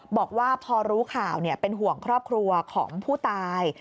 บอกว่าพอรู้ข่าวเป็นห่วงครอบครัวของผู้ตาย